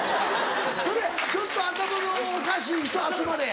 それ「ちょっと頭のおかしい人集まれ」や。